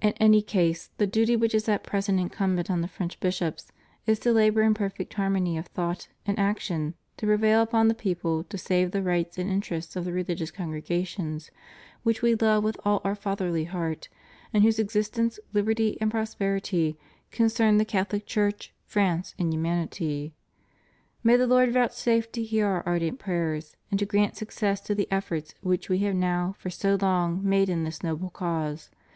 In any case the duty which is at present incumbent on the French bishops is to labor in perfect harmony of thought and action to prevail upon the people to save the rights and interests of the religious congregations, which We love with all Our fatherly heart, and whose existence, liberty, and prosperity concern the Catholic Church, France, and humanity. May the Lord vouchsafe to hear Our ardent prayers and to grant success to the efforts which We have now for so long made in this noble cause.